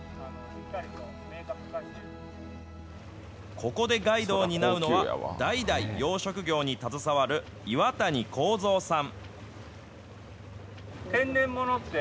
ここでガイドを担うのは、代々養殖業に携わる岩谷耕三さん。